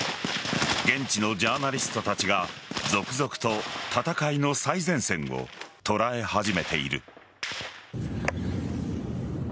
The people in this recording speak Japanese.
現地のジャーナリストたちが続々と戦いの最前線を捉え始めている。